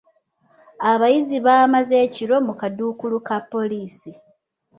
Abayizi baamaze ekiro mu kaduukulu ka poliisi.